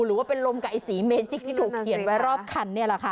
หรือว่าเป็นลมกับไอ้สีเมนจิกที่ถูกเขียนไว้รอบคันนี่แหละค่ะ